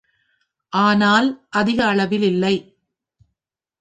ஆனால் அதிக அளவில் இல்லை.